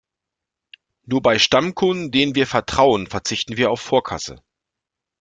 Nur bei Stammkunden, denen wir vertrauen, verzichten wir auf Vorkasse.